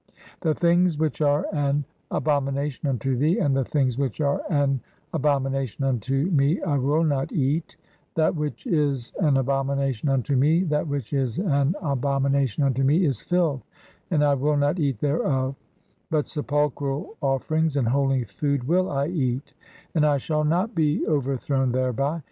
"The things which are an abomination unto thee and the things "which are an abomination unto me I will not eat, that which "is an abomination unto me, (4) that which is an abomination "unto me is filth and 1 will not eat thereof ; but sepulchral "offerings and holy food [will I eat], and I shall not be over "thrown thereby.